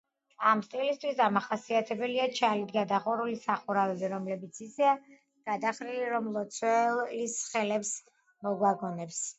ამ სტილისათვის დამახასიათებელია ჩალით გადახურული სახურავები, რომლებიც ისეა გადახრილი, რომ მლოცველის ხელებს მოგვაგონებს.